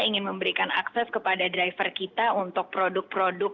bukan kerumun sakit seperti b satu ratus lima puluh z atau mantan bin berollah